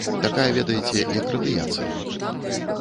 Такая, ведаеце, як радыяцыя.